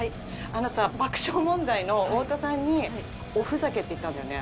あのさ爆笑問題の太田さんに「おふざけ」って言ったんだよね？